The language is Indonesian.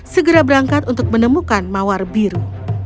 segera berangkat untuk menemukan mawar biru